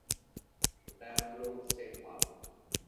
Diablo State Park.